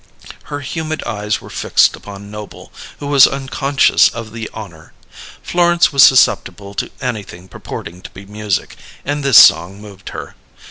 Her humid eyes were fixed upon Noble, who was unconscious of the honour. Florence was susceptible to anything purporting to be music, and this song moved her.